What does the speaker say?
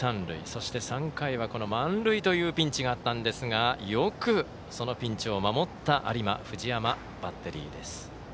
そして、３回は満塁というピンチがあったんですがよくそのピンチを守った、有馬藤山バッテリーです。